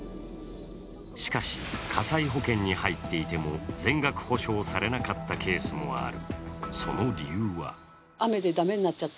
しかし火災保険に入っていても全額補償されなかったケースもある。